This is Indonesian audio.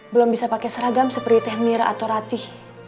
belum bisa pakai seragam seperti teh mira atau ratih